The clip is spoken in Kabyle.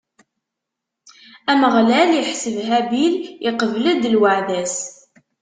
Ameɣlal iḥseb Habil, iqbel-d lweɛda-s.